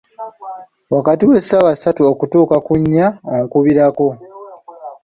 Wakati w'essaawa ssatu okutuuka ku nnya onkubirako.